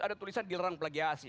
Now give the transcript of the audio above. ada tulisan dilarang plagiasi